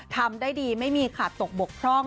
ทำได้ดีไม่มีขาดตกบกพร่อง